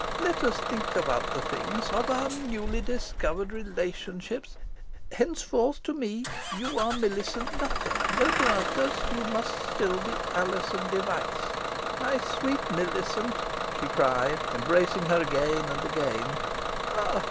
Let us think of other things of our newly discovered relationship. Henceforth, to me you are Millicent Nutter; though to others you must still be Alizon Device. My sweet Millicent," she cried, embracing her again and again.